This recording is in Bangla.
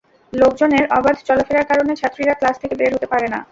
লোকজনের অবাধ চলাফেরার কারণে ছাত্রীরা ক্লাস থেকে বের হতে পারে না।